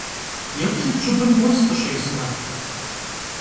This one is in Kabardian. Yêplhıt, ş'ıbım vues khışêsıre!